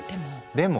でも？